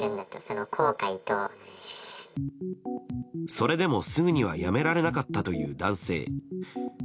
それでも、すぐにはやめられなかったという男性。